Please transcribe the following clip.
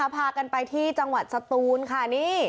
พากันไปที่จังหวัดสตูนค่ะนี่